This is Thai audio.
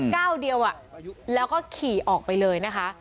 ก้าวเดียวแล้วก็ขี่ออกไปเลยนะคะ